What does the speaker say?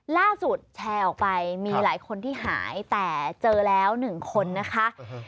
แชร์ออกไปมีหลายคนที่หายแต่เจอแล้ว๑คนนะคะ